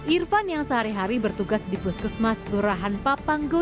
irfan yang sehari hari bertugas di puskesmas kelurahan papanggo